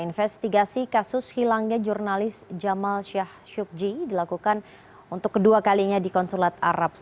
investigasi kasus hilangnya jurnalis jamal syahsyukji dilakukan untuk kedua kalinya di konsulat